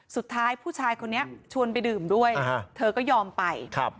สุดท้ายผู้ชายคนนี้ชวนไปดื่มด้วยเธอก็ยอมไปครับ